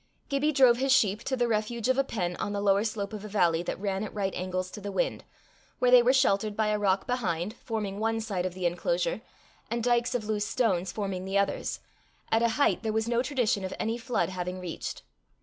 Gibbie drove his sheep to the refuge of a pen on the lower slope of a valley that ran at right angles to the wind, where they were sheltered by a rock behind, forming one side of the enclosure, and dykes of loose stones, forming the others, at a height there was no tradition of any flood having reached.